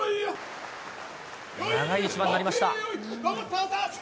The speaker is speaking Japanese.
長い一番になりました。